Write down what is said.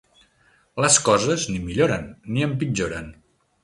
Les coses ni milloren ni empitjoren.